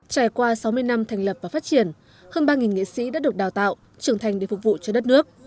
trải qua sáu mươi năm thành lập và phát triển hơn ba nghệ sĩ đã được đào tạo trưởng thành để phục vụ cho đất nước